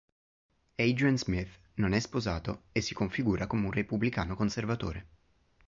Adrian Smith non è sposato e si configura come un repubblicano conservatore.